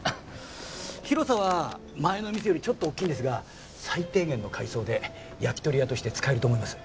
広さは前の店よりちょっと大きいんですが最低限の改装で焼き鳥屋として使えると思います。